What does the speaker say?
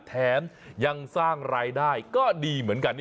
แถมยังสร้างรายได้ก็ดีเหมือนกัน